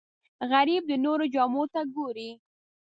غریب د نورو جامو ته ګوري